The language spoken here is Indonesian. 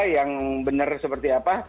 yang benar seperti apa